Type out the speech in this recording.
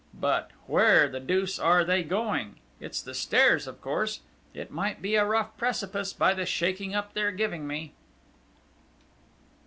But, where the deuce are they going? It's the stairs, of course! It might be a rough precipice by the shaking up they're giving me!"